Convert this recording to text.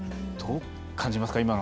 どう感じますか？